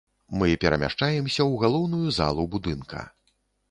Мы перамяшчаемся ў галоўную залу будынка.